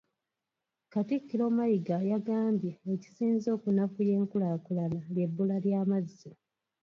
Katikkiro Mayiga yagambye ekisinze okunafuya enkulaakulana ly’ebbula ly’amazzi.